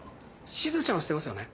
しずちゃんはしてますよね？